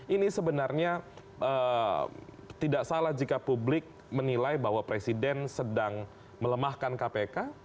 ini sebenarnya tidak salah jika publik menilai bahwa presiden sedang melemahkan kpk